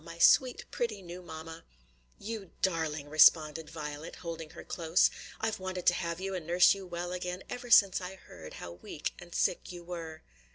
my sweet, pretty new mamma!" "You darling!" responded Violet, holding her close. "I've wanted to have you and nurse you well again ever since I heard how weak and sick you were."